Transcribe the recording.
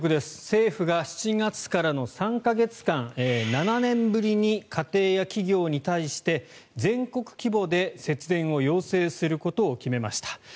政府が７月からの３か月間７年ぶりに家庭や企業に対して全国規模で節電を要請することを決めました。